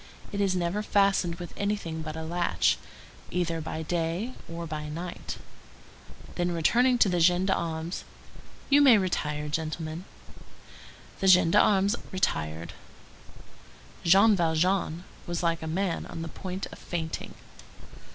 It is never fastened with anything but a latch, either by day or by night." Then, turning to the gendarmes:— "You may retire, gentlemen." The gendarmes retired. Jean Valjean was like a man on the point of fainting.